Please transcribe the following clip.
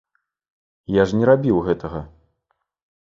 Я ж не рабіў гэтага.